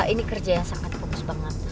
ini kerja yang sangat fokus banget